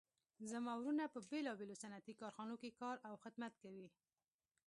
زما وروڼه په بیلابیلو صنعتي کارخانو کې کار او خدمت کوي